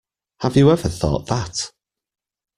Have you ever thought that?